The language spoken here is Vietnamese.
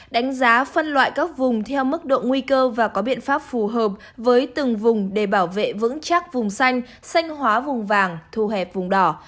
đánh giá phân loại các vùng theo mức độ nguy cơ và có biện pháp phù hợp với từng vùng để bảo vệ vững chắc vùng xanh xanh xanh hóa vùng vàng thu hẹp vùng đỏ